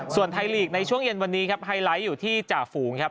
ส่วนไทยลีกในช่วงเย็นวันนี้ครับไฮไลท์อยู่ที่จ่าฝูงครับ